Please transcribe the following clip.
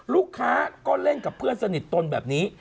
ลูกค้าก็เล่นกับเพื่อนสนิทตนแบบนี้